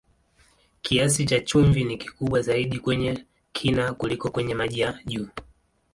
Kiasi cha chumvi ni kikubwa zaidi kwenye kina kuliko kwenye maji ya juu.